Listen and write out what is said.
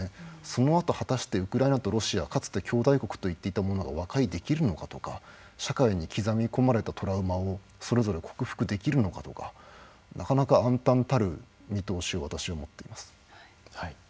そのあと、果たしてウクライナとロシアはかつて兄弟国といっていたものが和解できるのかとか社会に刻み込まれたトラウマをそれぞれ克服できるのかとかなかなか暗たんたる見通しを私は持っています。